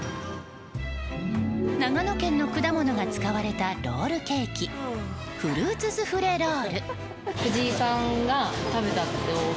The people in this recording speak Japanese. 長野県の果物が使われたロールケーキフルーツスフレロール。